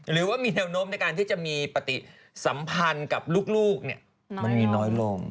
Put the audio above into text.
หรือว่ามีแนวโน้มในการที่จะมีปฏิสัมพันธ์กับลูกมันมีน้อยลง